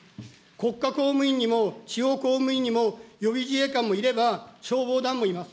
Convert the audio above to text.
国家公務員にも主要公務員にも、予備自衛官もいれば消防団もいます。